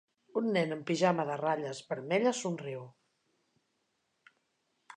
Un nen amb un pijama de ratlles vermelles somriu